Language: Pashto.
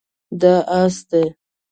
دا اس دی